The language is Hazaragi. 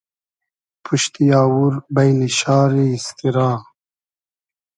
پوشتی آوور بݷنی شاری ایستیرا